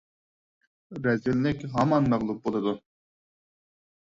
رەزىللىك ھامان مەغلۇپ بولىدۇ!